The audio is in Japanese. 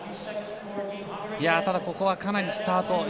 ただ、ここはかなりスタート